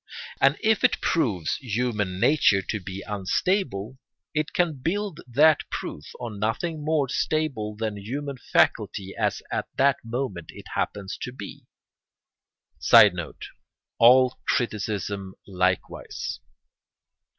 And if it proves human nature to be unstable, it can build that proof on nothing more stable than human faculty as at the moment it happens to be. [Sidenote: All criticism likewise.